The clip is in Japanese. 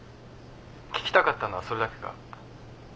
聞きたかったのはそれだけか？